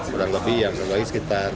kurang lebih yang sekitar tiga puluh lima